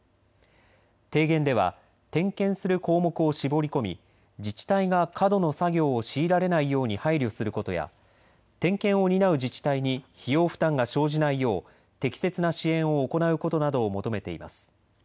提言では点検する項目を絞り込み自治体が過度の作業を強いられないように配慮することや点検を担う自治体に費用負担が生じないよう適切な支援を行うことなどを求めています。